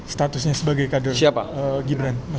statusnya sebagai kader ghibran